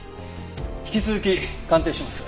引き続き鑑定します。